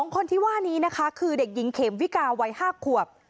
คนที่ว่านี้นะคะคือเด็กหญิงเขมวิกาวัย๕ขวบ